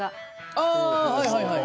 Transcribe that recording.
あはいはいはい。